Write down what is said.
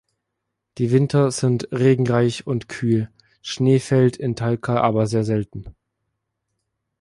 Die Winter sind regenreich und kühl, Schnee fällt in Talca aber sehr selten.